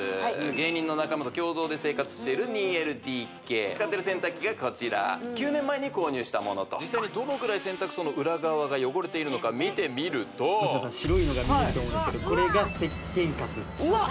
芸人の仲間と共同で生活している２ＬＤＫ使ってる洗濯機がこちら９年前に購入したものと実際にどのぐらい洗濯槽の裏側が汚れているのか見てみると白いのが見えると思うんですけどこれが石鹸カスうわっ